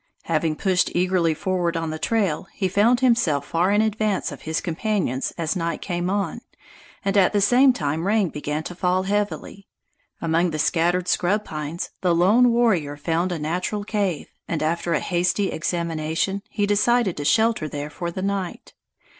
Having pushed eagerly forward on the trail, he found himself far in advance of his companions as night came on, and at the same time rain began to fall heavily. Among the scattered scrub pines, the lone warrior found a natural cave, and after a hasty examination, he decided to shelter there for the night.